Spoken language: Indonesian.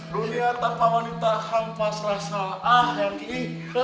dunia tanpa wanita hampas rasa ahlaki